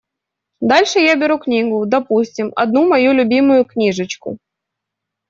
Дальше я беру книгу, допустим, одну мою любимую книжечку.